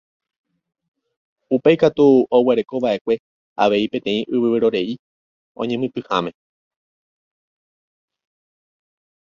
Upéi katu oguerekova'ekue avei peteĩ yvyvore'i oñemitỹháme.